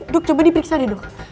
dok coba diperiksa nih dok